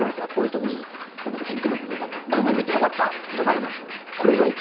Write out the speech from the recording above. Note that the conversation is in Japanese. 特にこのテックの部分だとうまくいったよかった！じゃ駄目なんですよ。